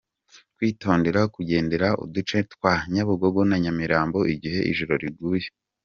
-Kwitondera kugenderera uduce twa Nyabugogo na Nyamirambo igihe ijoro riguye